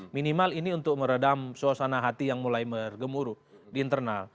minimal ini untuk meredam suasana hati yang mulai bergemuruh di internal